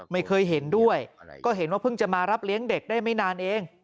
ไม่เคยเห็นด้วยก็เห็นว่าเพิ่งจะมารับเลี้ยงเด็กได้ไม่นานเอง